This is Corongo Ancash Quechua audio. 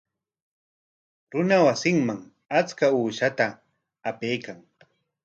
Runa wasinman achka uqshata apaykan.